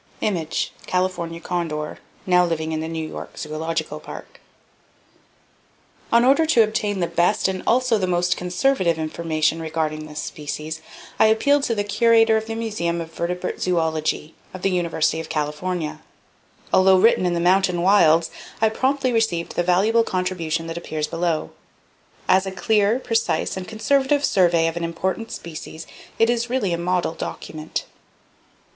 CALIFORNIA CONDOR Now Living in the New York Zoological Park On order to obtain the best and also the most conservative information regarding this species, I appealed to the Curator of the Museum of Vertebrate Zoology, of the University of California. Although written in the mountain wilds, I promptly received the valuable contribution that appears below. As a clear, precise and conservative survey of an important species, it is really a model document.